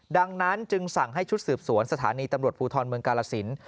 ดังนั้นจึงสั่งให้ชุดสืบสวนสถานีตำรวจภูทรเมืองกาลสิน